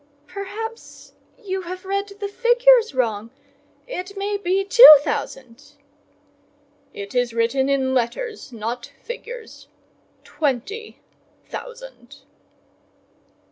"Perhaps you have read the figures wrong—it may be two thousand!" "It is written in letters, not figures,—twenty thousand."